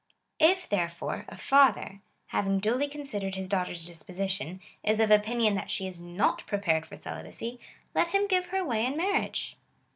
If, therefore, a father, having duly corisidered his daughter's disposition, is of opi nion that she is not prepared for celibacy, let him give her away in marriage.